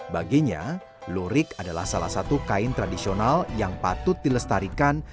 baginya lurik adalah salah satu kain tradisional yang patut dilestarikan